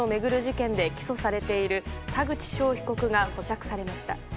事件で起訴されている田口翔被告が保釈されました。